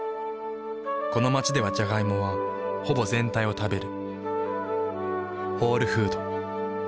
この街ではジャガイモはほぼ全体を食べる。